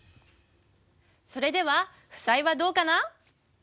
それでは負債はどうかな？